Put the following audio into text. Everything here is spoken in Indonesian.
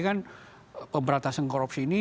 kan pemperantasan korupsi ini